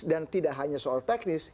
dan tidak hanya soal teknis